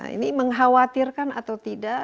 ini mengkhawatirkan atau tidak